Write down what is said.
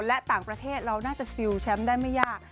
และต่างประเทศเราน่าจะซิลแชมป์ได้ไม่ยาก